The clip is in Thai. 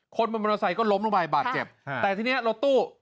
คนบนมอเตอร์ไซค์ก็ล้มลงไปบาดเจ็บแต่ทีนี้รถตู้